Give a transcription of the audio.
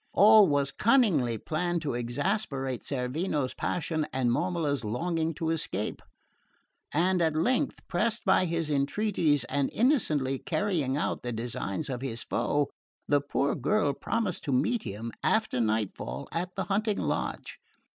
All was cunningly planned to exasperate Cerveno's passion and Momola's longing to escape; and at length, pressed by his entreaties and innocently carrying out the designs of his foe, the poor girl promised to meet him after night fall at the hunting lodge.